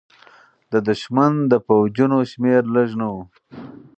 د دښمن د پوځونو شمېر لږ نه و.